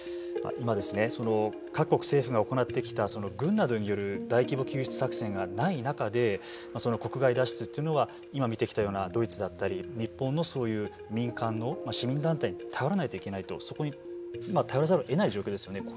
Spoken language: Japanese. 今、各国政府が行ってきた軍などによる大規模救出作戦がない中で国外脱出というのは今見てきたようなドイツだったり日本の民間の市民団体に頼らないといけないとそこに頼らざるを得ない状況ですよね。